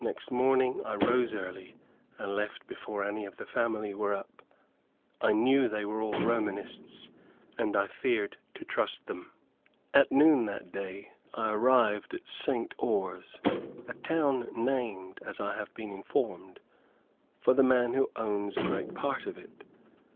Next morning, I rose early and left before any of the family were up. I knew they were all Romanists, and I feared to trust them. At noon that day I arrived at St. Oars, a town, named, as I have been informed, for the man who owns a great part of it.